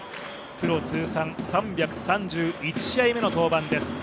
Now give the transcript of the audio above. プロ通算３３１試合目の登板です。